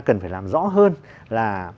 cần phải làm rõ hơn là